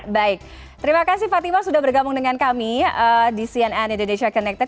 baik terima kasih fatima sudah bergabung dengan kami di cnn indonesia connected